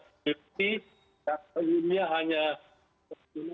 yang kemudiannya hanya terkenal